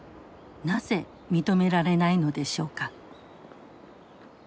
なぜ認められないのでしょうか。